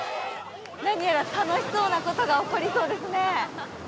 何やら楽しそうなことが起こりそうですね。